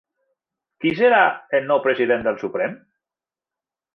Qui serà el nou president del Suprem?